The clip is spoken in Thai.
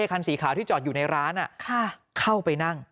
คันสีขาวที่จอดอยู่ในร้านเข้าไปนั่ง